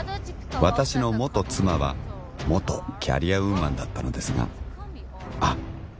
私の元妻は元キャリアウーマンだったのですがあっ